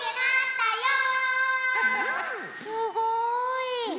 すごい。